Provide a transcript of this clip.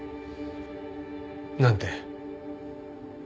なんて？